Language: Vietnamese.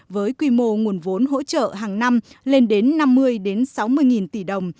với quy mô nguồn vốn hỗ trợ hàng năm lên đến năm mươi sáu mươi nghìn tỷ đồng